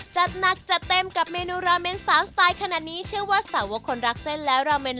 ชั้นใต้ดินเลยนะครับครับมาแหวะสักการะพร้าวพร้าวผม